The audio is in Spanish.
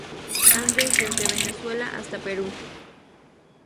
Andes desde Venezuela hasta Perú.